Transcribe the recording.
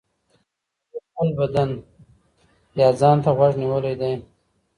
هغې خپل بدن يا ځان ته غوږ نيولی دی.